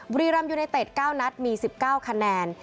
บรีรัมยูในเต็ดเก้าณมี๑๙คะแนน